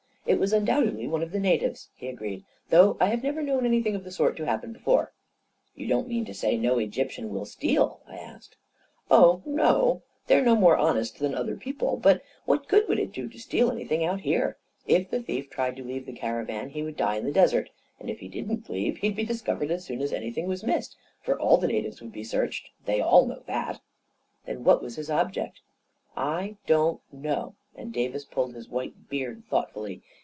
"It was undoubtedly one of the natives," he agreed, " though I have never known anything of the sort to happen before." " You don't mean to say no Egyptian will steal ?" I asked. 41 Oh, no ; they're no more honest than other peo ple. But what good would it do to steal anything out here? If the thief tried to leave the caravan, he'd die in the desert; and if he didn't leave it, he'd be discovered as soon as anything was missed, for all the natives would be searched. They all know that" 11 Then what was his object? "" I don't know," and Davis pulled his white beard thoughtfully.